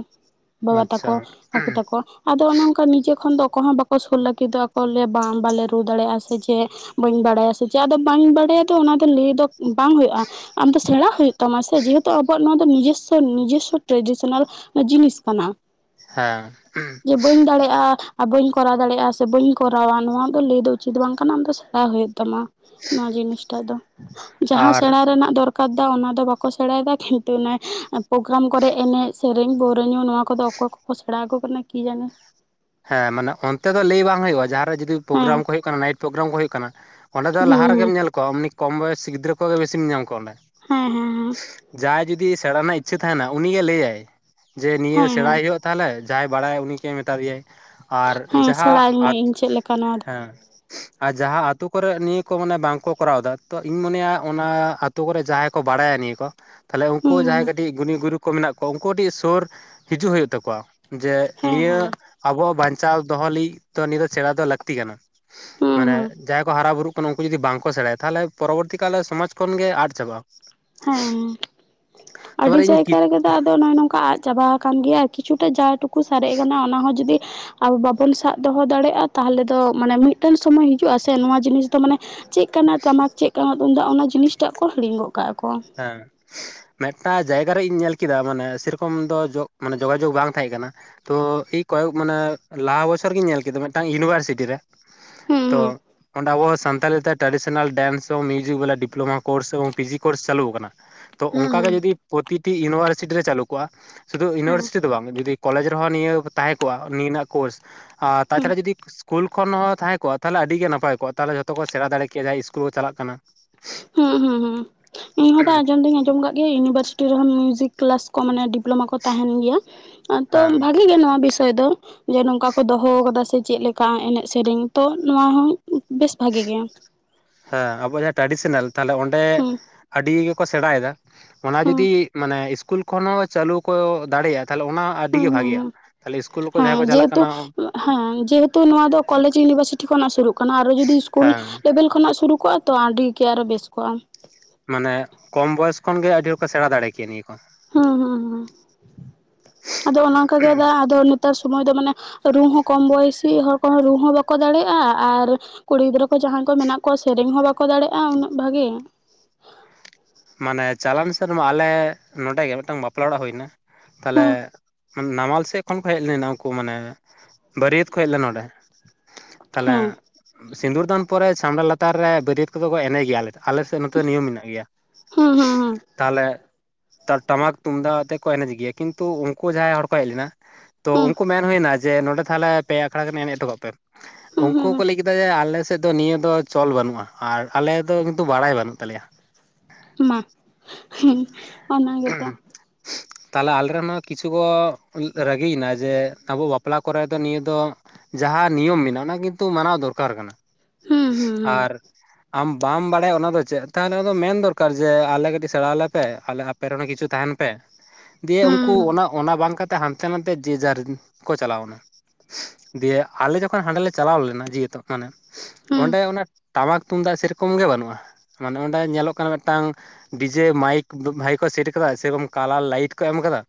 ᱵᱟᱵᱟ ᱟᱪᱪᱷᱟ ᱛᱟᱠᱚ ᱠᱟᱠᱩ ᱛᱟᱠᱚ ᱟᱫᱚ ᱚᱱ ᱱᱤᱡᱚ ᱠᱷᱚᱱ ᱫᱚ ᱟᱠᱚ ᱦᱚᱸ ᱵᱟᱠᱚ ᱥᱩᱨ ᱞᱟᱹᱜᱤᱫᱚᱜ ᱟᱠ ᱠᱚ ᱞᱮᱭᱟ ᱵᱟᱝ ᱵᱟᱞᱮ ᱨᱩ ᱫᱟᱲᱮᱭᱟᱜᱼᱟ ᱥᱮ ᱪᱮᱫ ᱵᱟᱹᱧ ᱵᱟᱲᱟᱭᱟ ᱥᱮ ᱪᱮᱫᱫᱚ ᱵᱟᱹᱧ ᱵᱟᱲᱟᱭᱟ ᱚᱱᱟ ᱫᱚ ᱞᱟᱹᱭ ᱫᱚ ᱵᱟᱝ ᱦᱩᱭᱩᱜᱼᱟ ᱟᱢᱫᱚ ᱥᱮᱬᱟ ᱦᱩᱭᱩᱜ ᱛᱟᱢᱟ ᱥᱮ ᱡᱮᱦᱮᱛᱩ ᱟᱵᱚᱣᱟᱜ ᱱᱚᱣᱟ ᱫᱚ ᱱᱤᱡᱮᱥᱥᱚ ᱱᱤᱡᱮᱥᱥᱚ ᱴᱨᱮᱰᱤᱥᱚᱱᱟᱞ ᱡᱤᱱᱤᱥ ᱠᱟᱱᱟ᱾ ᱦᱮᱸ ᱡᱮ ᱵᱟᱹᱧ ᱫᱟᱲᱮᱭᱟᱜᱼᱟ ᱵᱟ. ᱧ ᱠᱚᱨᱟᱣ ᱫᱟᱲᱮᱭᱟᱜᱼᱟ ᱥᱮ ᱵᱟᱹᱧ ᱠᱚᱨᱟᱣᱟ ᱱᱚᱣᱟ ᱫᱚ ᱞᱟᱹᱭ ᱫᱚ ᱩᱪᱤᱛ ᱵᱟᱝ ᱠᱟᱱᱟ ᱟᱢ ᱫᱚ ᱥᱮᱬᱟ ᱦᱩᱭᱩᱜ ᱛᱟᱢᱟ᱾ ᱱᱚᱣᱟ ᱡᱤᱱᱤᱥᱴᱟᱜ ᱫᱚ ᱡᱟᱦᱟᱸ ᱟᱨ ᱥᱮᱬᱟ ᱨᱮᱱᱟᱜ ᱫᱚᱨᱠᱟᱨ ᱟᱠᱟᱫᱟ ᱚᱱᱟ ᱫᱚ ᱵᱟᱠᱚ ᱥᱮᱬᱟᱭᱮᱫᱟ ᱠᱤᱱᱛᱩ ᱚᱱᱟ ᱯᱨᱳᱜᱨᱟᱢ ᱠᱚᱨᱮ ᱮᱱᱮᱡ ᱥᱮᱨᱮᱧ ᱯᱟᱨᱩᱭᱟ. ᱧᱩ ᱱᱚᱣᱟ ᱠᱚᱫᱚ ᱚᱠᱚᱭ ᱠᱚᱠᱚ ᱥᱮᱬᱟ ᱟᱠᱜᱩ ᱠᱟᱱᱟ ᱠᱤ ᱡᱟᱱᱤ ᱦᱮᱸ ᱢᱟᱱᱮ ᱚᱱᱛᱮ ᱫᱚ ᱞᱟᱹᱭ ᱵᱟᱝ ᱦᱩᱭᱩᱜᱼᱟ ᱡᱟᱦᱟᱸᱨᱮ ᱡᱩᱫᱤ ᱯᱨᱳᱜᱨᱟᱢ ᱦᱮᱸ ᱠᱚ ᱦᱩᱭᱩᱜ ᱠᱟᱱᱟ ᱱᱟᱭᱤᱴ ᱯᱨᱳᱜᱨᱟᱢ ᱠᱚ ᱦᱩᱭᱩᱜ ᱠᱟᱱᱟ ᱚᱸᱰᱮ ᱫᱚ ᱞᱟᱦᱟ ᱦᱩᱸ ᱨᱮᱜᱮ ᱦᱩᱸ ᱧᱮᱞ ᱠᱚᱣᱟ ᱮᱢ ᱩᱱᱤᱤ ᱠᱚᱢ ᱵᱚᱭᱮᱥ ᱜᱤᱫᱽᱨᱟᱹ ᱠᱚᱜᱮ ᱵᱤᱥᱤᱢ ᱧᱟᱢ ᱠᱚᱣᱟ ᱚᱸᱰᱮ ᱦᱮᱸ ᱦᱮᱸ ᱦᱮᱸ ᱡᱟᱦᱟᱸᱭ ᱡᱩᱫᱤ ᱥᱮᱬᱟ ᱨᱮᱱᱟᱜ ᱤᱪᱪᱷᱟᱹ ᱛᱟᱦᱮᱱᱟ, ᱩᱱᱤ ᱡᱮ ᱞᱟᱹᱭᱟᱭ ᱡᱮ ᱱᱤᱭᱟᱹ ᱦᱮᱸ ᱥᱮᱬᱟᱭ ᱦᱮᱸ ᱦᱩᱭᱩᱜ ᱛᱟᱦᱚᱞᱮ ᱡᱟᱦᱟᱸᱟᱭ ᱵᱟᱲᱟᱭᱟ ᱩᱱᱤ ᱜᱮ ᱢᱮᱛᱟ ᱫᱮᱭᱟᱭ ᱟᱨ ᱦᱮᱸ ᱡᱟᱦᱟᱸ ᱥᱮᱬᱟᱧ ᱢᱮ ᱟᱨ ᱤᱧ ᱪᱮᱫ ᱞᱮᱠᱟ ᱱᱚᱣᱟ ᱫᱚ ‌ᱦᱮᱸ ᱟᱨ ᱡᱟᱦᱟᱸ ᱟᱹᱛᱩ ᱠᱚᱨᱮ ᱱᱤᱭᱟᱹ ᱠᱚ ᱢᱟᱱᱮ ᱵᱟᱝᱠᱚ ᱠᱚᱨᱟᱣ ᱫᱟ ᱛᱚ ᱤᱧ ᱢᱚᱱᱮᱭᱟ ᱚᱱᱟ ᱟᱹᱛᱩ ᱟᱹᱛᱩ ᱠᱚᱨᱮ ᱡᱟᱦᱟᱸᱭ ᱠᱚ ᱵᱟᱲᱟᱭᱟ ᱱᱤᱭᱟᱹ ᱠᱚ ᱛᱟᱦᱚᱞᱮ ᱩᱱᱠᱩ ᱡᱟᱦᱟᱸᱭ ᱦᱩᱸ ᱠᱟᱹᱴᱤᱡ ᱜᱩᱱᱤ ᱜᱩᱨᱤᱩ ᱠᱚ ᱢᱮᱱᱟᱜ ᱠᱚᱣᱟ ᱩᱱᱠᱩ ᱠᱟᱹᱴᱤᱡ ᱥᱳᱩᱨ ᱦᱤᱡᱩᱜ ᱦᱩᱭᱩᱜ ᱛᱟᱠᱚᱣᱟ᱾ ᱡᱮ ᱦᱮᱸ ᱱᱤᱭᱟᱹ ᱦᱮᱸ ᱟᱵᱚᱣᱟᱜ ᱵᱟᱧᱪᱟᱣ ᱫᱚᱦᱚ ᱞᱟᱹᱜᱤᱫ ᱫᱚ ᱱᱤᱭᱟᱹ ᱫᱚ ᱥᱮᱬᱟ ᱫᱚ ᱞᱟᱹᱠᱛᱤ ᱠᱟᱱᱟ᱾ ᱦᱩᱸ ᱢᱟᱱᱮ ᱦᱩᱸ ᱡᱟᱦᱟᱸᱭ ᱠᱚ ᱦᱟᱨᱟ ᱵᱩᱨᱩᱜ ᱠᱟᱱᱟ ᱩᱱᱠᱩ ᱡᱚᱫᱤ ᱵᱟᱝᱠᱚ ᱥᱮᱲᱟᱭᱟ ᱛᱟᱦᱞᱮ ᱯᱚᱨᱚᱵᱚᱨᱛᱤ ᱠᱟᱞ ᱥᱚᱢᱟᱡᱽ ᱠᱷᱚᱱᱜ ᱜᱮ ᱟᱫ ᱪᱟᱵᱟᱜᱼᱟ᱾ ᱦᱮᱸ ᱟᱹᱰᱤ ᱛᱟᱯᱚᱨᱮ ᱤᱧ ᱠᱤ ᱡᱟᱭᱜᱟ ᱨᱮᱜᱮ ᱫᱚ ᱟᱫᱚ ᱱᱚᱭ ᱱᱚᱝᱠᱟ ᱟᱫᱽ ᱪᱟᱵᱟ ᱠᱟᱱ ᱜᱮ ᱮᱭᱟ ᱠᱤᱪᱷᱩᱴᱟ ᱡᱟ ᱴᱩᱠᱩ ᱥᱟᱨᱮᱡ ᱟᱠᱟᱱᱟ ᱚᱱᱟ ᱦᱚᱸ ᱡᱩᱫᱤ ᱟᱨ ᱵᱟᱵᱚᱱ ᱥᱟᱵ ᱫᱚᱦᱚ ᱫᱟᱲᱮᱭᱟᱜᱼᱟ, ᱛᱟᱦᱚᱞᱮ ᱫᱚ ᱢᱟᱱᱮ ᱢᱤᱫᱴᱮᱱ ᱥᱚᱢᱚᱭ ᱦᱤᱡᱩᱜ ᱟᱥᱮ ᱱᱚᱣᱟ ᱡᱤᱱᱤᱥ ᱫᱚ ᱢᱟᱱᱮ ᱪᱮᱫ ᱠᱟᱱᱟ ᱴᱟᱢᱟᱠ ᱪᱮᱫ ᱠᱟᱱᱟ ᱛᱩᱢᱫᱟᱜ ᱚᱱᱟ ᱡᱤᱱᱤᱥ ᱴᱟᱜ ᱠᱚ ᱦᱤᱲᱤᱧᱜᱚᱜ ᱠᱟᱜᱼᱟ ᱠᱚ᱾ ᱦᱮᱸ ᱢᱤᱫᱴᱟᱝ ᱡᱟᱭᱜᱟ ᱨᱮᱧ ᱧᱮᱞ ᱠᱮᱫᱟ, ᱢᱟᱱᱮ ᱥᱮᱨᱚᱠᱚᱢ ᱫᱚ ᱡᱚᱜ ᱢᱟᱱᱮ ᱡᱳᱜᱟᱡᱳᱜᱽ ᱵᱟᱝ ᱛᱟᱦᱮᱸ ᱠᱟᱱᱟ᱾ ᱛᱚ ᱤᱧ ᱠᱚᱭᱚᱜ ᱢᱟᱱᱮ ᱞᱟᱦᱟ ᱵᱚᱪᱷᱚᱨ ᱜᱤᱧ ᱧᱮᱞ ᱠᱮᱫᱟ ᱢᱤᱫᱴᱟᱝ ᱤᱭᱩᱱᱤᱵᱷᱟᱨᱥᱤᱴᱤ ᱨᱮ ᱛᱚ ᱦᱩᱸ ᱚᱸᱰᱮ ᱟᱵᱚ ᱥᱟᱱᱛᱟᱞᱤ ᱛᱮ ᱴᱨᱟᱰᱤᱥᱚᱱᱟᱞ ᱰᱮᱱᱥ ᱮ ᱢᱤᱭᱣᱡᱤᱠ ᱵᱟᱞᱟ ᱰᱤᱯᱞᱳᱢᱟ ᱠᱳᱨᱥ ᱮᱵᱚᱝ ᱯᱤᱡᱤ ᱠᱳᱥ ᱪᱟᱹᱞᱩ ᱟᱠᱟᱱᱟ ᱛᱚ ᱦᱩᱸ ᱚᱱᱠᱟ ᱦᱩᱸ ᱜᱮ ᱡᱩᱫᱤ ᱯᱨᱚᱛᱤᱴᱤ ᱤᱭᱩᱱᱤᱵᱷᱟᱨᱥᱤᱴᱤ ᱨᱮ ᱪᱟᱹᱞᱩ ᱠᱚᱜᱼᱟ ᱥᱩᱫᱩ ᱦᱩᱸ ᱤᱭᱩᱱᱤᱵᱷᱟᱨᱥᱤᱴᱤ ᱫᱚ ᱵᱟᱝ ᱡᱩᱫᱤ ᱠᱚᱞᱮᱡᱽ ᱨᱮᱦᱚᱸ ᱱᱤᱭᱟᱹ ᱛᱟᱦᱮᱸ ᱠᱚᱜᱼᱟ, ᱱᱤᱭᱟᱹ ᱨᱮᱱᱟᱜ ᱠᱳᱨᱥ ᱟᱨ ᱛᱟᱪᱷᱟᱲᱟ ᱡᱩᱫᱤ ᱥᱠᱩᱞ ᱠᱷᱚᱱ ᱦᱚᱸ ᱛᱟᱦᱮᱸ ᱠᱚᱜᱼᱟ, ᱛᱟᱦᱚᱞᱮ ᱟᱹᱰᱤ ᱜᱮ ᱱᱟᱯᱟᱭ ᱠᱚᱜᱼᱟ ᱛᱟᱦᱚᱞᱮ ᱡᱚᱛᱚ ᱠᱚ ᱥᱮᱬᱟ ᱫᱟᱲᱮ ᱠᱮᱭᱟ ᱡᱟᱦᱟᱸᱭ ᱤᱥᱠᱩᱞ ᱠᱚ ᱪᱟᱞᱟᱜ ᱠᱟᱱᱟ᱾ ᱦᱩᱸ ᱦᱩᱸ ᱦᱩᱸ ᱤᱧᱦᱚ ᱫᱟ ᱟᱸᱡᱚᱢ ᱫᱚᱧ ᱟᱸᱡᱚᱢ ᱟᱠᱟᱫ ᱜᱮ ᱤᱭᱩᱱᱤᱵᱷᱟᱨᱥᱤᱴᱤ ᱨᱮᱦᱚᱸ ᱢᱤᱭᱩᱡᱤᱠ ᱠᱮᱞᱟᱥ ᱠᱚ ᱢᱟᱱᱮ ᱰᱤᱯᱞᱳᱢᱟ ᱠᱚ ᱛᱟᱦᱮᱱ ᱜᱮᱭᱟ ᱛᱚ ᱦᱮᱸ ᱵᱷᱟᱹᱜᱤ ᱜᱮ ᱱᱚᱣᱟ ᱵᱤᱥᱚᱭ ᱫᱚ᱾ ᱡᱮ ᱱᱚᱝᱠᱟ ᱠᱚ ᱫᱚᱦᱚ ᱟᱠᱟᱫᱟ ᱥᱮ ᱪᱮᱫᱮᱠᱟ ᱮᱱᱮᱡ ᱥᱮᱨᱮᱧ ᱛᱚ ᱱᱚᱶᱟ ᱦᱚᱸ ᱵᱮᱥ ᱵᱷᱟᱹᱜᱤ ᱜᱮ᱾ ᱦᱮᱸ ᱟᱵᱚ ᱡᱟᱦᱟᱸ ᱴᱨᱟᱰᱤᱥᱚᱱᱟᱞ ᱛᱟᱦᱚᱞᱮ ᱚᱸᱰᱮ ᱦᱩᱸ ᱟᱹᱰᱤ ᱜᱮᱠᱚ ᱥᱮᱬᱟᱭᱮᱫᱟ ᱚᱱᱟ ᱦᱩᱸ ᱡᱩᱫᱤ ᱢᱟᱱᱮ ᱤᱥᱠᱩᱞ ᱠᱷᱚᱱ ᱦᱚᱸ ᱪᱟᱹᱞᱩ ᱠᱚ ᱫᱟᱲᱮᱭᱟᱜᱼᱟ ᱛᱟᱦᱞᱮ ᱚᱱᱟ ᱟᱹᱰᱤ ᱦᱩᱸ ᱜᱮ ᱵᱷᱟᱜᱭᱟ ᱦᱩᱸ ᱛᱟᱦᱞᱮ ᱤᱥᱠᱩᱞ ᱠᱚ ᱦᱮᱸ ᱡᱟᱦᱟᱸᱭ ᱠᱚ ᱪᱟᱞᱟᱜ ᱡᱮᱦᱮᱛᱩ ᱠᱟᱱᱟ᱾ ᱦᱮᱸ ᱡᱮᱦᱮᱛᱩ ᱱᱚᱣᱟ ᱫᱚ ᱠᱚᱞᱮᱡᱽ ᱤᱭᱩᱱᱤᱵᱷᱟᱨᱥᱤᱴᱤ ᱠᱷᱚᱱᱟᱜ ᱥᱩᱨᱩᱜ ᱠᱟᱱᱟ ᱟᱨᱚ ᱡᱩᱫᱤ ᱤᱥᱠᱩᱞ ᱦᱮᱸ ᱞᱮᱵᱮᱞ ᱠᱷᱚᱱᱟᱜ ᱥᱩᱨᱩ ᱠᱚᱜᱼᱟ ᱛᱚ ᱟᱹᱰᱤ ᱜᱮ ᱟᱨᱚ ᱵᱮᱥ ᱠᱚᱜᱼᱟ᱾ ᱢᱟᱱᱮ ᱠᱚᱢ ᱵᱚᱭᱚᱥ ᱠᱷᱚᱱ ᱜᱮᱮ ᱟᱹᱰᱤ ᱦᱚᱲ ᱠᱚ ᱥᱮᱬᱟ ᱫᱟᱲᱮ ᱠᱮᱭᱟ ᱱᱤᱭᱟᱹ ᱠᱚ ᱦᱩᱸ ᱦᱩᱸ ᱦᱩᱸ ᱟᱫᱚ ᱚᱱᱮ ᱚᱱᱠᱟ ᱜᱮ ᱫᱟ ᱟᱫᱚ ᱱᱮᱛᱟᱨ ᱥᱚᱢᱚᱭ ᱫᱚ ᱢᱟᱱᱮ ᱨᱩ ᱦᱚᱸ ᱠᱚᱢ ᱵᱚᱭᱮᱥᱤ ᱦᱚᱲ ᱠᱚᱦᱚᱸ ᱨᱩ ᱦᱚᱸ ᱵᱟᱠᱚ ᱫᱟᱲᱮᱭᱟᱜᱼᱟ ᱟᱨ ᱠᱩᱲᱤ ᱜᱤᱫᱽᱨᱟᱹ ᱠᱚ ᱡᱟᱦᱟᱸᱭ ᱠᱚ ᱢᱮᱱᱟᱜ ᱠᱚᱣᱟ ᱥᱮᱨᱮᱧ ᱦᱚᱸ ᱵᱟᱠᱚ ᱫᱟᱲᱮᱭᱟᱜᱼᱟ ᱩᱱᱟᱹᱜ ᱵᱷᱟᱜᱤ ᱢᱟᱱᱮ ᱪᱟᱞᱟᱮᱱ ᱥᱮᱱᱢᱟ ᱟᱞᱮ ᱱᱚᱰᱮ ᱜᱮ ᱢᱤᱫᱴᱟᱱ ᱵᱟᱯᱞᱟ ᱚᱲᱟᱜ ᱦᱩᱭᱱᱟ ᱛᱟᱦᱚᱞᱮ ᱦᱩᱸ ᱱᱟᱢᱟᱞ ᱥᱮᱫ ᱠᱷᱚᱱ ᱠᱚ ᱦᱮᱡ ᱞᱮᱱᱟ ᱩᱱᱠᱩ ᱢᱟᱱᱮ ᱵᱟᱹᱨᱭᱟᱹᱛ ᱠᱚ ᱦᱮᱡ ᱞᱮᱱᱟ ᱱᱚᱸᱰᱮ ᱦᱮᱸ ᱛᱟᱦᱚᱞᱮ ᱥᱤᱸᱫᱩᱨ ᱫᱟᱱ ᱯᱚᱨᱮ ᱪᱷᱟᱢᱰᱟ ᱞᱟᱛᱟᱨ ᱨᱮ ᱵᱟᱹᱨᱭᱟᱹᱛ ᱠᱚᱫᱚ ᱠᱚ ᱮᱱᱮᱡ ᱜᱮᱭᱟᱞᱮ ᱟᱞᱮᱥᱮᱫ ᱱᱚᱛᱮ ᱱᱤᱭᱚᱢ ᱢᱮᱱᱟᱜ ᱜᱮᱭᱟ᱾ ᱦᱮᱸ ᱦᱮᱸ ᱦᱮᱸ ᱛᱟᱦᱚᱞᱮ ᱴᱟᱢᱟᱠ ᱛᱩᱢᱫᱟᱜ ᱟᱛᱮ ᱠᱚ ᱮᱱᱮᱡ ᱜᱮᱭᱟ ᱠᱤᱱᱛᱩ ᱩᱱᱠᱩ ᱡᱟᱦᱟᱸᱭ ᱦᱚᱲ ᱠᱚ ᱦᱮᱡ ᱞᱮᱱᱟ, ᱛᱚ ᱦᱩᱸ ᱩᱱᱠᱩ ᱢᱮᱱ ᱦᱩᱭᱱᱟ ᱡᱮ ᱱᱚᱸᱰᱮ ᱛᱟᱦᱞᱮ ᱯᱮ ᱟᱠᱷᱲᱟ ᱜᱟᱱ ᱮᱱᱮᱡ ᱛᱟᱹᱵᱩᱱ ᱯᱮ ᱦᱩᱸ ᱩᱱᱠᱩ ᱦᱩᱸ ᱠᱚ ᱞᱟᱹᱭ ᱠᱮᱫᱟ ᱡᱮ ᱟᱞᱮ ᱥᱮᱫ ᱫᱚ ᱱᱤᱭᱟᱹ ᱫᱚ ᱪᱚᱞ ᱵᱟᱹᱱᱩᱜᱼᱟ ᱟᱨ ᱟᱞᱮ ᱫᱚ ᱠᱤᱱᱛᱩ ᱵᱟᱲᱟᱭ ᱵᱟᱹᱱᱩᱜ ᱛᱟᱞᱮᱭᱟ᱾ ᱢᱟ ᱦᱮᱸ [unintelligible] [inaudible] ᱛᱟᱦᱚᱞᱮ ᱟᱞᱮᱨᱮ ᱦᱚᱸ ᱠᱤᱪᱷᱩ ᱠᱚ ᱨᱟᱹᱜᱤᱭᱮᱱᱟ ᱡᱮ ᱟᱵᱚ ᱵᱟᱯᱞᱟ ᱠᱚᱨᱮ ᱫᱚ ᱱᱤᱭᱟᱹ ᱫᱚ ᱡᱟᱦᱟᱸ ᱱᱤᱭᱚᱢ ᱢᱮᱱᱟᱜᱼᱟ ᱚᱱᱟ ᱠᱤᱱᱛᱩ ᱢᱟᱱᱟᱣ ᱫᱚᱨᱠᱟᱨ ᱠᱟᱱᱟ ᱦᱩᱸ ᱦᱩᱸ ᱦᱩᱸ ᱟᱨ ᱟᱢ ᱵᱟᱢ ᱵᱟᱲᱟᱭᱟ ᱚᱱᱟ ᱫᱚ ᱪᱮᱫ ᱛᱟᱦᱚᱞᱮ ᱚᱱᱟ ᱢᱮᱱ ᱫᱚᱨᱠᱟᱨ ᱡᱮ ᱟᱞᱮ ᱠᱟᱹᱴᱤᱡ ᱥᱮᱬᱟ ᱟᱞᱮᱯᱮ ᱟᱮ [unintelligible] ᱠᱤᱪᱷᱩ ᱛᱟᱦᱮᱱ ᱯᱮ ᱫᱤᱭᱮ ᱦᱩᱸ ᱩᱱᱠᱩ ᱚᱱᱟ ᱵᱟᱝ ᱠᱟᱛᱮ। ᱦᱟᱱᱛᱮ ᱱᱟᱛᱮ ᱡᱮ ᱡᱟᱨ ᱠᱚ ᱪᱟᱞᱟᱣ ᱮᱱᱟ᱾ ᱫᱤᱭᱮ ᱟᱞᱮ ᱡᱚᱠᱷᱚᱱ ᱦᱟᱸᱰᱮ ᱞᱮ ᱪᱟᱞᱟᱣ ᱞᱮᱱᱟ ᱡᱮᱦᱮᱛᱩ ᱢᱟᱱᱮ ᱦᱩᱸ ᱚᱸᱰᱮ ᱚᱱᱟ ᱴᱟᱢᱟᱠ ᱛᱩᱢᱫᱟᱜ ᱥᱮᱨᱚᱠᱚᱢ ᱜᱮ ᱵᱟᱹᱱᱩᱜᱼᱟ ᱢᱟᱱᱮ ᱚᱸᱰᱮ ᱧᱮᱞᱚᱜ ᱠᱟᱱᱟ ᱢᱤᱫᱴᱟᱝ ᱰᱤᱡᱮ ᱢᱟᱭᱤᱠ ᱵᱷᱟᱭᱤᱠ ᱥᱮᱴ ᱠᱟᱫᱟ ᱥᱮᱨᱚᱠᱚᱢ ᱠᱟᱞᱟᱨ ᱞᱟᱭᱤᱴ ᱠᱚ ᱮᱢ ᱠᱟᱫᱟ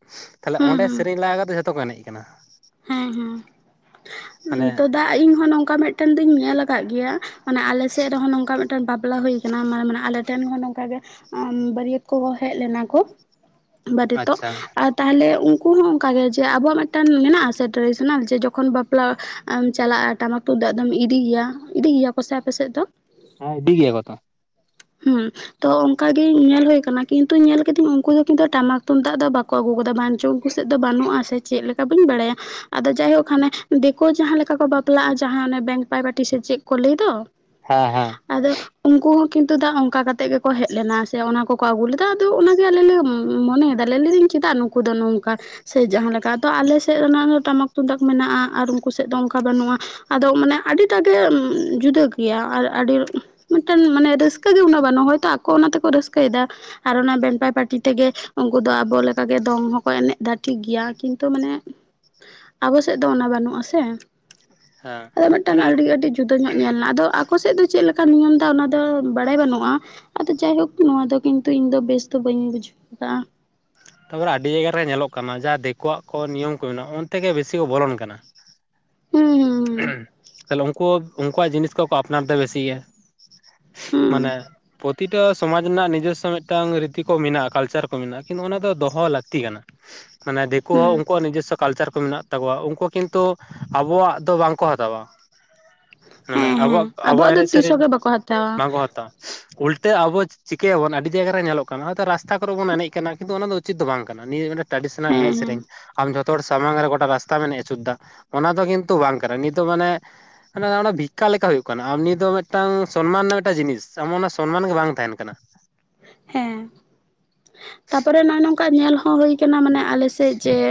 ᱛᱟᱦᱞᱮ ᱦᱩᱸ ᱚᱸᱰᱮ ᱦᱩᱸ ᱥᱮᱨᱮᱧ ᱞᱟᱜᱟ ᱠᱟᱛᱮ ᱡᱚᱛᱚ ᱠᱚ ᱮᱱᱮᱡ ᱠᱟᱱᱟ᱾ ᱦᱮᱸ ᱦᱮᱸ ᱢᱟᱱᱮ ᱛᱚ ᱫᱟᱜ ᱤᱧ ᱦᱚᱸ ᱱᱚᱝᱠᱟ ᱢᱤᱫᱴᱮᱱ ᱫᱚᱩᱧ ᱧᱮᱞ ᱟᱠᱟᱫ ᱜᱮᱭᱟ ᱢᱟᱱᱮ ᱟᱞᱮᱥᱮᱫ ᱨᱮᱦᱚᱸ ᱱᱚᱝᱠᱟ ᱢᱤᱫᱴᱟᱝ ᱵᱟᱯᱞᱟ ᱦᱩᱭ ᱟᱱᱮ ᱟᱞᱮ ᱴᱷᱮᱱ ᱦᱚᱸ ᱱᱚᱝᱠᱟ ᱜᱮ ᱵᱟᱹᱨᱭᱟᱹᱛ ᱠᱚᱠᱚ ᱦᱮᱡ ᱞᱮᱱᱟ ᱠᱚ ᱵᱟᱨᱮᱛᱚᱜ ᱟᱪᱪᱷᱟ ᱟᱨ ᱛᱟᱦᱞᱮ ᱩᱱᱠᱩ ᱦᱚᱸ ᱚᱱᱠᱟᱜ ᱜᱮ ᱡᱮ ᱟᱵᱚᱣᱟᱜ ᱢᱤᱫᱴᱟᱝ ᱢᱮᱱᱟᱜᱼᱟ᱾ ᱥᱮ ᱴᱨᱟᱰᱤᱥᱚᱱᱟᱞ ᱡᱮ ᱡᱚᱠᱷᱚᱱ ᱵᱟᱯᱞᱟᱢ ᱪᱟᱞᱟᱜᱼᱟ ᱴᱟᱢᱟᱠ ᱛᱩᱢᱫᱟᱜ ᱫᱚᱢ ᱤᱫᱤᱭᱜᱤᱭᱟ ᱤᱫᱤᱭᱜᱤᱭᱟ ᱠᱚ ᱥᱮ ᱟᱯᱮᱥᱮᱫ ᱫᱚ ᱦᱮᱸ ᱤᱫᱤᱜᱮᱭᱟ ᱠᱚ ᱛᱚ। ᱦᱩᱸ ᱛᱚ ᱚᱱᱠᱟ ᱜᱮ ᱧᱮᱞ ᱦᱩᱭ ᱟᱠᱟᱱᱟ, ᱠᱤᱱᱛᱩ ᱧᱮᱞ ᱠᱮᱫᱟᱹᱧ ᱩᱱᱠᱩ ᱫᱚ ᱠᱤᱱᱛᱩ ᱴᱟᱢᱟᱠ ᱛᱩᱢᱫᱟᱜ ᱫᱚ ᱵᱟᱠᱚ ᱟᱹᱜᱩ ᱜᱚᱫᱟ ᱵᱟᱝᱪᱚ ᱩᱱᱠᱩ ᱥᱮᱫ ᱫᱚ ᱵᱟᱹᱱᱩᱜ-ᱟ, ᱥᱮ ᱪᱮᱫ ᱞᱮᱠᱟ ᱵᱟᱹᱧ ᱵᱟᱲᱟᱭᱟ᱾ ᱟᱫᱚ ᱡᱟᱭᱦᱳᱠ ᱦᱟᱱᱮ ᱫᱤᱠᱩ ᱡᱟᱦᱟᱸ ᱞᱮᱠᱟ ᱠᱚ ᱵᱟᱯᱞᱟᱜ-ᱟ ᱡᱟᱦᱟᱸ ᱚᱱᱮ ᱵᱮᱝᱠ ᱯᱟᱭᱵᱟᱴᱤ ᱥᱮ ᱪᱮᱫ ᱠᱚ ᱞᱟᱹᱭ ᱫᱚ, ᱦᱚᱸ ᱦᱚᱝ ᱟᱫᱚᱜ ᱩᱱᱠᱩ ᱦᱚᱸ ᱠᱤᱸᱛᱩ ᱫᱟᱜ ᱚᱱᱠᱟ ᱠᱟᱛᱮᱜ ᱜᱮᱠᱚ ᱦᱮᱡ ᱞᱮᱱᱟ ᱥᱮ ᱚᱱᱟ ᱠᱚᱠᱚ ᱟᱹᱜᱩ ᱞᱮᱫᱟ ᱟᱫᱚ ᱚᱱᱟ ᱜᱮ ᱟᱞᱮ ᱞᱮ ᱢᱚᱱᱮᱭᱮ ᱞᱟᱹᱞᱤᱧᱮ ᱪᱮᱫᱟᱜ ᱱᱩᱠᱩ ᱫᱚ ᱱᱚᱝᱠᱟ ᱥᱮ ᱡᱟᱦᱟᱸ ᱞᱮᱠᱟ ᱛᱚ ᱟᱞᱮ ᱥᱮᱫ ᱥᱮ ᱚᱱᱟ ᱦᱸ ᱴᱟᱢᱟᱠ ᱛᱩᱢᱫᱟᱜ ᱢᱮᱱᱟᱜ-ᱟ ᱟᱨ ᱩᱱᱠᱩ ᱥᱮᱫ ᱫᱚ ᱚᱱᱠᱟ ᱵᱟᱹᱱᱩᱜ-ᱟ ᱟᱫᱚ ᱢᱟᱱᱮ ᱟᱹᱰᱤ ᱴᱟᱜ ᱜᱮ ᱡᱩᱫᱟᱹ ᱜᱮᱭᱟ ᱟᱨ ᱟᱹᱰᱤ ᱢᱤᱫᱴᱮᱱ ᱢᱟᱱᱮ ᱨᱟᱹᱥᱠᱟᱹ ᱜᱮ ᱩᱱᱟᱹᱜ ᱵᱟᱹᱱᱩᱜ-ᱟ ᱦᱚᱭᱛᱚ ᱟᱠᱚ ᱚᱱᱟ ᱛᱮᱠᱚ ᱨᱟᱹᱥᱠᱟᱹᱭᱮᱫᱟ ᱟᱨ ᱚᱱᱟ ᱵᱮᱱᱯᱟᱭ ᱯ‌ᱟᱴᱤ ᱛᱮᱜᱮ ᱩᱱᱠᱩ ᱫᱚ ᱟᱵᱚ ᱞᱮᱠᱟ ᱜᱮ ᱫᱚᱝ ᱦᱚᱸᱠᱚ ᱮᱱᱮᱡ ᱫᱟ ᱴᱷᱤᱠ ᱜᱮᱭᱟ ᱠᱤᱱᱛᱩ ᱢᱟᱱᱮ ᱟᱵᱚ ᱥᱮᱫ ᱫᱚ ᱚᱱᱟ ᱵᱟᱹᱱᱩᱜ-ᱟ ᱥᱮ ᱦᱮᱸ ᱟᱫᱚ ᱢᱤᱫᱴᱟᱱ ᱢᱟᱱᱮ ᱟᱹᱰᱤ ᱟᱹᱰᱤ ᱡᱩᱫᱟᱹ ᱧᱚᱜ ᱧᱮᱞ ᱮᱱᱟ ᱟᱫᱚ ᱟᱠᱚ ᱥᱮᱫ ᱫᱚ ᱪᱮᱫ ᱞᱮᱠᱟ ᱱᱤᱭᱚᱢ ᱮᱫᱟ ᱚᱱᱟ ᱫᱚ ᱵᱟᱲᱟᱭ ᱵᱟᱹᱱᱩᱜᱼᱟ ᱟᱫᱚ ᱡᱟᱭᱦᱳᱠ ᱱᱚᱶᱟ ᱫᱚ ᱠᱤᱱᱛᱩ ᱤᱧ ᱫᱚ ᱵᱮᱥ ᱫᱚ ᱵᱟᱹᱧ ᱵᱩᱡᱷᱟᱹᱣ ᱟᱠᱟᱫᱟᱼᱟ ᱟᱵᱚ ᱦᱚᱲᱭᱟᱜ ᱟᱹᱰᱤ ᱡᱟᱭᱜᱟ ᱨᱮ ᱧᱮᱞᱚᱜ ᱠᱟᱱᱟ ᱡᱟᱦᱟᱸ ᱫᱤᱠᱩᱣᱟᱜ ᱠᱚ ᱱᱤᱭᱚᱢ ᱠᱚ ᱢᱮᱱᱟᱜᱼᱟ ᱚᱱᱛᱮᱜᱮ ᱵᱮᱥᱤ ᱠᱚ ᱵᱚᱞᱚᱱ ᱠᱟᱱᱟ ᱦᱩᱸ ᱦᱸ ᱠᱷᱟᱹᱞᱤ ᱩᱱᱠᱩ ᱩᱱᱠᱩᱣᱟᱜ ᱡᱤᱱᱤᱥ ᱠᱚᱠᱚ ᱟᱯᱱᱟᱨ ᱮᱫᱟ ᱵᱤᱥᱤᱭᱟᱹ ᱦᱩᱸ ᱢᱟᱱᱮ ᱯᱚᱛ ᱛᱤᱴᱚ ᱥᱚᱢᱟᱡᱽ ᱨᱮᱱᱟᱜ ᱱᱤᱡᱚᱥᱥᱚ ᱢᱤᱫᱴᱟᱝ ᱨᱤᱛᱤ ᱠᱚ ᱢᱮᱱᱟᱜ-ᱟ, ᱞᱟᱠᱪᱟᱨ ᱠᱚ ᱢᱮᱱᱟᱜ-ᱟ, ᱠᱤᱱᱛᱩ ᱚᱱᱟ ᱫᱚ ᱫᱚᱦᱚ ᱞᱟᱹᱠᱛᱤ ᱠᱟᱱᱟ᱾ ᱢᱟᱱᱮ ᱫᱤᱠᱩ ᱦᱚᱸ ᱦᱩᱸ ᱩᱱᱠᱩᱣᱟᱜ ᱱᱤᱡᱥᱚ ᱠᱟᱞᱪᱟᱨ ᱠᱚ ᱢᱮᱱᱟᱜ ᱛᱟᱠᱚᱣᱟ ᱩᱱᱠᱩ ᱠᱤᱱᱛᱩ ᱟᱵᱚᱣᱟᱜ ᱛᱚ ᱵᱟᱝ ᱠᱚ ᱦᱟᱛᱟᱣᱟ ᱢᱟᱱᱮ ᱦᱮᱸ ᱦᱮᱸ ᱟᱵᱚᱣᱟᱜ ᱟᱵᱚᱣᱟᱜ ᱫᱚ ᱮᱱᱮᱡ ᱛᱤᱥ ᱥᱮᱨᱮᱧ ᱦᱚᱸᱜᱮ ᱵᱟᱠᱚ ᱦᱟᱛᱟᱣᱟ ᱵᱟᱝ ᱠᱚ ᱦᱟᱛᱟᱣᱟ᱾ ᱩᱞᱴᱟᱹ ᱟᱵᱚ ᱪᱤᱠᱟᱹᱭᱟᱵᱚᱱ ᱟᱹᱰᱤ ᱡᱟᱭᱜᱟ ᱨᱮ ᱧᱮᱞᱚᱜ ᱠᱟᱱᱟ, ᱦᱚᱭᱛᱚ ᱨᱟᱥᱛᱟ ᱠᱚᱨᱮ ᱵᱚᱱ ᱮᱱᱮᱡ ᱠᱟᱱᱟ, ᱠᱤᱸᱛᱩ ᱚᱱᱟ ᱫᱚ ᱩᱪᱤᱛ ᱫᱚ ᱵᱟᱝ ᱠᱟᱱᱟ, ᱱᱤᱭᱟᱹ ᱜᱮ ᱢᱤᱴᱟᱹᱜ ᱴᱨᱟᱰᱤᱥᱚᱱᱟᱞ ᱮᱱᱮᱡ ᱥᱮᱨᱮᱧ ᱦᱮᱸ ᱟᱢ ᱡᱷᱚᱛᱚ ᱦᱚᱲ ᱥᱟᱢᱟᱝ ᱨᱮ ᱜᱚᱴᱟ ᱨᱟᱥᱛᱟᱢ ᱮᱱᱮᱡ ᱚᱪᱩᱨ ᱮᱫᱟ ᱚᱱᱟ ᱫᱚ ᱠᱤᱱᱛᱩ ᱛᱚ ᱵᱟᱝ ᱠᱟᱱᱟ ᱱᱤᱛᱚᱜ ᱢᱟᱱᱮ ᱢᱟᱱᱮ ᱚᱱᱟ ᱵᱷᱤᱠᱠᱟ ᱞᱮᱠᱟ ᱦᱩᱭᱩᱜ ᱠᱟᱱᱟ ᱱᱤᱭᱟᱹ ᱫᱚ ᱢᱤᱫᱴᱟᱝ ᱥᱚᱱᱢᱟᱱ ᱨᱮᱱᱟᱜ ᱢᱤᱫᱴᱟᱝ ᱡᱤᱱᱤᱥ ᱮᱢᱚᱱ ᱚᱱᱟ ᱥᱚᱱᱢᱟᱱ ᱜᱮ ᱵᱟᱝ ᱛᱟᱦᱮᱱ ᱠᱟᱱᱟ ᱦᱮᱸ ᱛᱟᱯᱚᱨᱮ ᱱᱚᱜ-ᱚᱭ ᱱᱚᱝᱠᱟ ᱧᱮᱞ ᱦᱚᱸ ᱦᱩᱭ ᱠᱟᱱᱟ ᱢᱟᱱᱮ ᱟᱞᱮ ᱥᱮᱫ ᱡᱮ